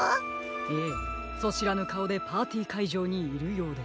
ええそしらぬかおでパーティーかいじょうにいるようです。